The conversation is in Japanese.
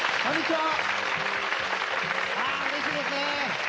あー、うれしいですね。